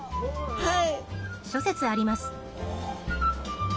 はい。